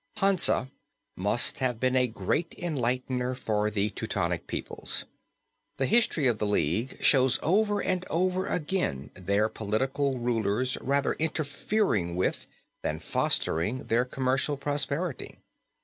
Hansa must have been a great enlightener for the Teutonic peoples. The History of the league shows over and over again their political rulers rather interfering with than fostering their commercial prosperity.